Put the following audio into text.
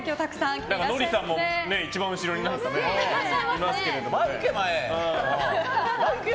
のりさんも一番後ろにいますね。